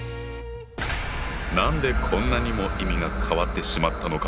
何でこんなにも意味が変わってしまったのか？